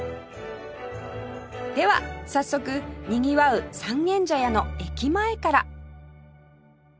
では早速にぎわう三軒茶屋の駅前から